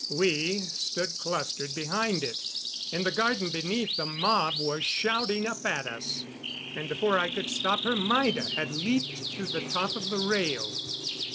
We stood clustered behind it. In the garden beneath, the mob was shouting up at us. And, before I could stop her, Maida had leaped to the top of the rail.